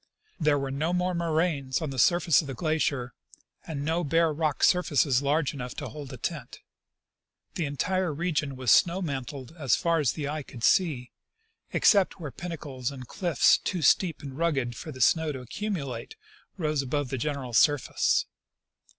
There were no more moraines on the surface of the glacier, and no bare rock surfaces large enough to hold a tent. The entire region was snow mantled as far as the eye could see, except where pinnacles and cliff's too steep and rugged for the snow to accu mulate rose above the general surface.